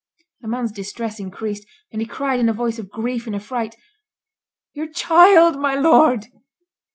The man's distress increased—and he cried in a voice of grief and affright—"Your child, my Lord!"